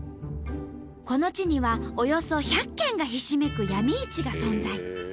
この地にはおよそ１００軒がひしめく闇市が存在。